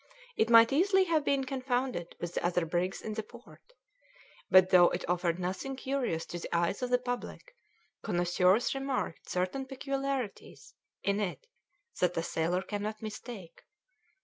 It might easily have been confounded with the other brigs in the port. But though it offered nothing curious to the eyes of the public, connoisseurs remarked certain peculiarities in it that a sailor cannot mistake.